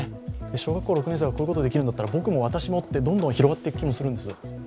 小学校６年生がこういうことをできるんだったら僕も、私もってどんどん広がっていく気もするんですよ。